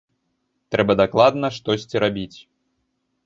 Трэба дакладна штосьці рабіць.